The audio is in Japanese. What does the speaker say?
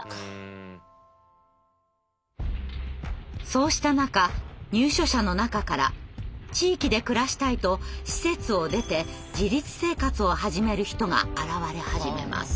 そうした中入所者の中から地域で暮らしたいと施設を出て自立生活を始める人が現れ始めます。